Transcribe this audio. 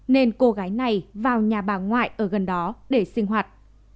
nên cô gái này vào nhà bà ngoại ở gần đó để sinh hoạt